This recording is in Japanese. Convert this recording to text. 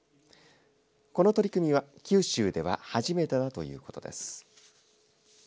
この取り組みは九州では初めてだということです。